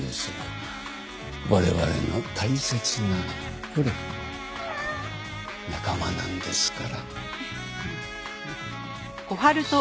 我々の大切なほれ仲間なんですから。よろしいか？